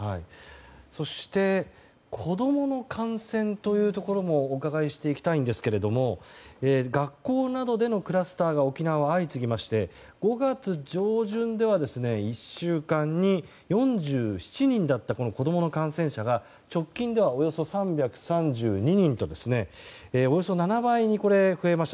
そして子供の感染というところもお伺いしていきたいんですが学校などでのクラスターが沖縄は相次ぎまして５月上旬では１週間に４７人だった子供の感染者が直近では、およそ３３２人とおよそ７倍に増えました。